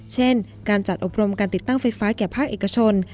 เช่นการจัดอบรมการติดตั้งไฟฟ้าแก่ภาคเอกชน